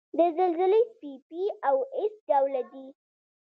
د زلزلې څپې P او S ډوله دي.